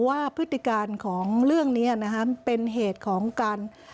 พฤติการของเรื่องนี้นะฮะเป็นเหตุของการ